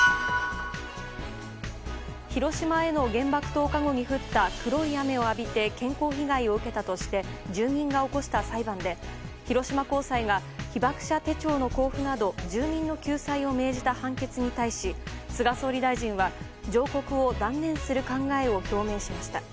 広島への原爆投下後に降った黒い雨を浴びて健康被害を受けたとして住民が起こした裁判で広島高裁が被爆者手帳の交付など住民の救済を命じた判決に対し菅総理大臣は上告を断念する考えを表明しました。